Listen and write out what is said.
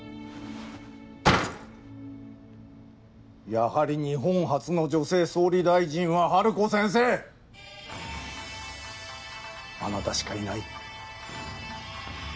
やはり日本初の女性総理大臣はハルコ先生あなたしかいない。